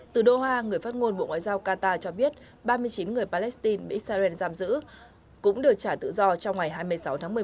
từ đô hoa người phát ngôn bộ ngoại giao qatar cho biết ba mươi chín người palestine bị israel giam giữ cũng được trả tự do trong ngày hai mươi sáu tháng một mươi một